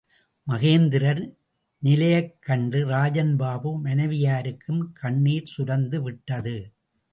மகேந்திரர் நிலையைக் கண்டு ராஜன் பாபு மனைவியாருக்கும் கண்ணீச் சுரந்துவிட்டது.